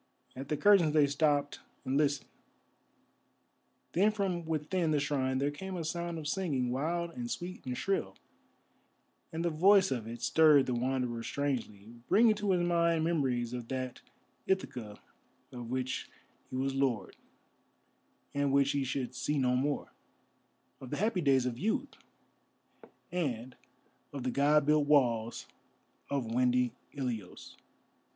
At the curtains they stopped and listened. Then from within the shrine there came a sound of singing wild and sweet and shrill, and the voice of it stirred the Wanderer strangely, bringing to his mind memories of that Ithaca of which he was Lord and which he should see no more; of the happy days of youth, and of the God built walls of windy Ilios.